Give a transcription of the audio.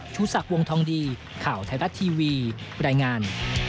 ชูศักดิ์วงทองดีข่าวไทยรัฐทีวีรายงาน